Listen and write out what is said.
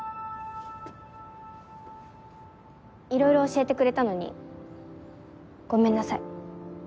いろいろ教えてくれたのにごめんなさい。